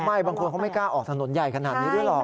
บางคนเขาไม่กล้าออกถนนใหญ่ขนาดนี้ด้วยหรอก